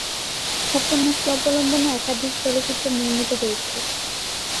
উপন্যাসটি অবলম্বনে একাধিক চলচ্চিত্র নির্মিত হয়েছে।